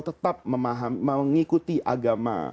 tetap mengikuti agama